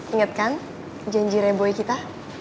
ingat kan janji reboy kita